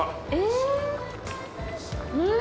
うん！